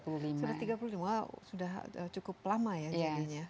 sudah tiga puluh lima wah sudah cukup lama ya jadinya